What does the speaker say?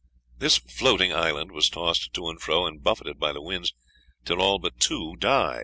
This floating island was tossed to and fro and buffeted by the winds till all but two died.